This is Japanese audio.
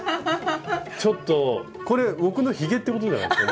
ちょっとこれ僕のひげってことじゃないですか？